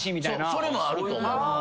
それもあると思う。